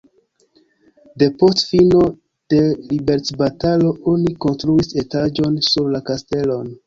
Depost fino de liberecbatalo oni konstruis etaĝon sur la kastelon.